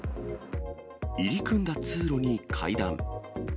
入り組んだ通路に、階段。